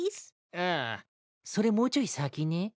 ああそれもうちょい先ね。